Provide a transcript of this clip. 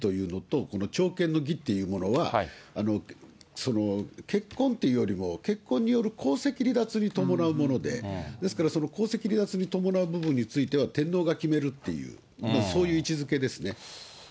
この朝見の儀っていうものは、結婚というよりも、結婚による皇籍離脱に伴うもので、ですから、皇籍離脱に伴うものについては、天皇が決めるっていう、そういう位置づけですね。